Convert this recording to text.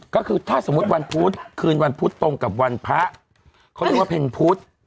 ก็คือถ้าสมมุติวันพุธคืนวันพุธตรงกับวันพระเขาเรียกว่าเพ็ญพุธ